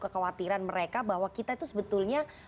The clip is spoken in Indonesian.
kekhawatiran mereka bahwa kita itu sebetulnya